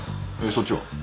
そっちは？